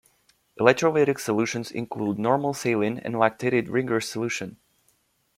Electrolytic solutions include normal saline and lactated Ringer's solution.